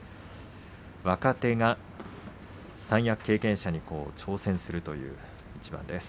若手が三役経験者に挑戦するという一番です。